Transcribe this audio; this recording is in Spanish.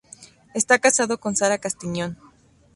Está casado con Sara Castellón.